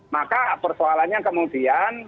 maka persoalannya kemudian